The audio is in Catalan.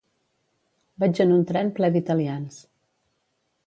Vaig en un tren ple d'italians.